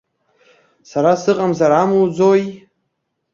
Сара сыҟамзар амуӡои?